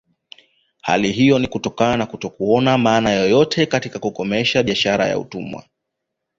Hali hiyo ni kutokana na kutokuona maana yoyote katika kukomesha biashara ya watumwa